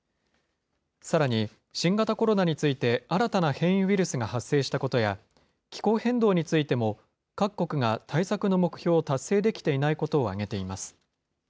さらに、新型コロナについて新たな変異ウイルスが発生したことや、気候変動についても、各国が対策の目標を達成できていないことを挙げています。